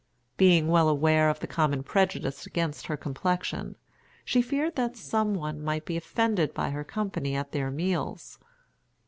Being well aware of the common prejudice against her complexion, she feared that some one might be offended by her company at their meals.